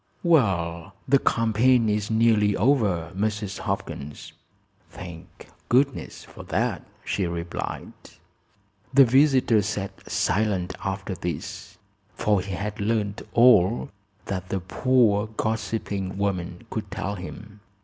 "Well, the campaign is nearly over, Mrs. Hopkins." "Thank goodness for that!" she replied. The visitor sat silent after this, for he had learned all that the poor gossiping woman could tell him.